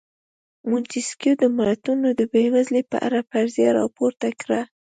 مونتیسکیو د ملتونو د بېوزلۍ په اړه فرضیه راپورته کړه.